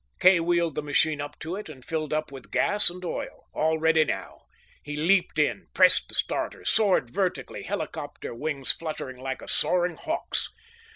Kay wheeled the machine up to it, and filled up with gas and oil. All ready now! He leaped in, pressed the starter, soared vertically, helicopter wings fluttering like a soaring hawk's.